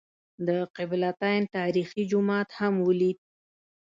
د قبله تین تاریخي جومات هم ولېد.